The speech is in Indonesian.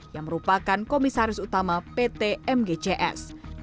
yang merupakan komisaris utama pt mgcs